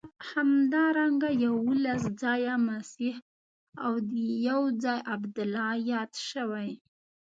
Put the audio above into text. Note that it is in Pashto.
همدارنګه یوولس ځایه مسیح او یو ځای عبدالله یاد شوی.